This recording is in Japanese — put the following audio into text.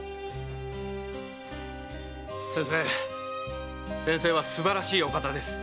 先生先生はすばらしいお方です。